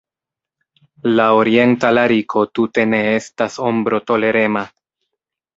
La orienta lariko tute ne estas ombro-tolerema.